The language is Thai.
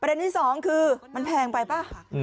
ประเด็นที่สองคือมันแพงไปป่ะ